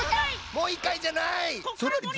もういっかいじゃない！